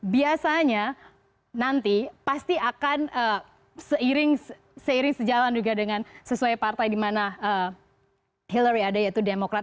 biasanya nanti pasti akan seiring sejalan juga dengan sesuai partai di mana hillary ada yaitu demokrat